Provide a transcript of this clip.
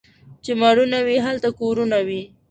چي مړونه وي ، هلته کورونه وي.